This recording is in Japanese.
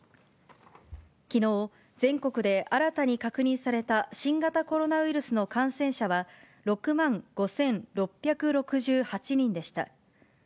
きのう、全国で新たに確認された新型コロナウイルスの感染者は、６万５６６８人でした。